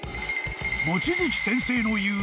［望月先生の言う］